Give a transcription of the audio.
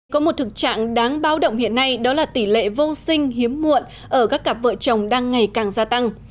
có một thực trạng đáng báo động hiện nay đó là tỷ lệ vô sinh hiếm muộn ở các cặp vợ chồng đang ngày càng gia tăng